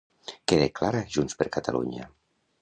Què declara Junts per Catalunya?